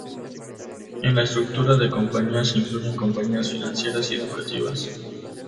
En la estructura de compañía se incluyen compañías financieras y educativas.